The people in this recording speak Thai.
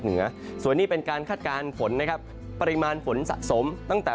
เหนือส่วนนี้เป็นการคาดการณ์ฝนนะครับปริมาณฝนสะสมตั้งแต่